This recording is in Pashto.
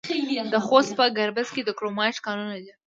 د خوست په ګربز کې د کرومایټ کانونه دي.